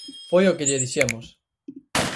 Foi o que lle dixemos.